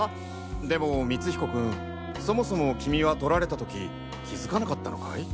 でも光彦君そもそも君は盗られた時気付かなかったのかい？